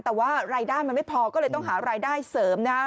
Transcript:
แต่ว่ารายได้มันไม่พอก็เลยต้องหารายได้เสริมนะฮะ